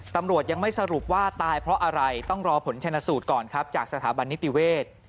ตำรวจยังไม่สรุปว่าตายเพราะอะไรต้องรอผลชนสูตรก่อนครับจากสถาบันนิติเวศ